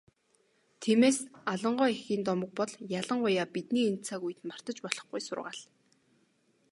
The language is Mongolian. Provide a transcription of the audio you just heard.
Тиймээс, Алан гоо эхийн домог бол ялангуяа бидний энэ цаг үед мартаж болохгүй сургаал.